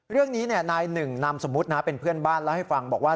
เรื่องนี้นายหนึ่งนามสมมุตินะเป็นเพื่อนบ้านเล่าให้ฟังบอกว่า